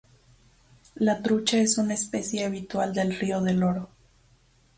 La trucha es una especie habitual del río del Oro.